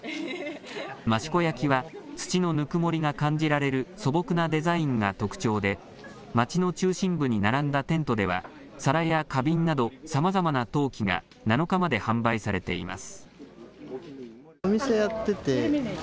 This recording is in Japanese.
益子焼は土のぬくもりが感じられる素朴なデザインが特徴で町の中心部に並んだテントでは皿や花瓶などさまざまな陶器が７日まで販売されています。